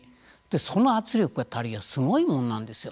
その圧力たるやすごいものなんですよ。